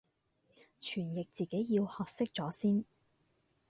傳譯自己要學識咗先